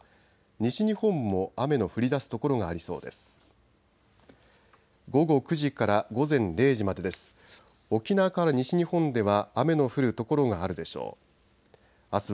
西日本も雨の降りだす所がありそうです。